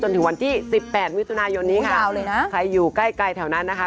จนถึงวันที่๑๘วิศุนายนใครอยู่ใกล้แถวนั้นนะคะ